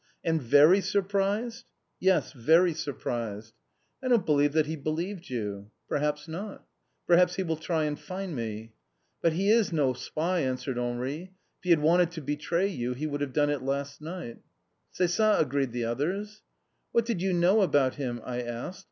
"And very surprised?" "Yes, very surprised." "I don't believe that he believed you." "Perhaps not." "Perhaps he will try and find me?" "But he is no spy," answered Henri. "If he had wanted to betray you he would have done it last night." "C'est ça!" agreed the others. "What did you know about him?" I asked.